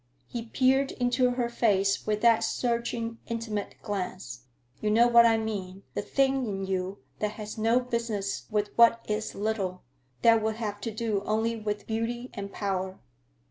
He peered into her face with that searching, intimate glance. "You know what I mean, the thing in you that has no business with what is little, that will have to do only with beauty and power."